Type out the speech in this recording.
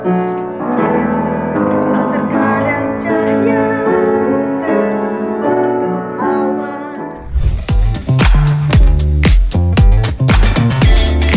walau terkadang cahaya ku tertutup awal